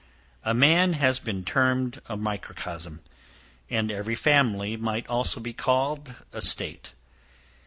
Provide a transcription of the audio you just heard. A man has been termed a microcosm; and every family might also be called a state.